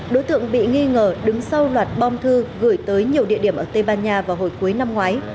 đối tượng bị nghi ngờ đứng sau loạt bom thư gửi tới nhiều địa điểm ở tây ban nha vào hồi cuối năm ngoái